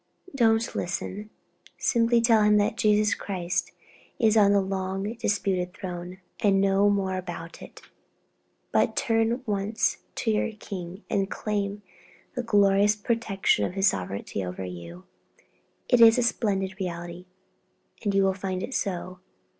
Don't listen; simply tell him that Jesus Christ is on the long disputed throne, and no more about it, but turn at once to your King and claim the glorious protection of His sovereignty over you. It is a splendid reality, and you will find it so.